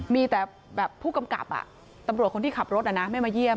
มีแต่แบบผู้กำกับตำรวจคนที่ขับรถไม่มาเยี่ยม